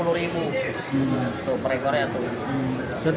tuh perekornya tuh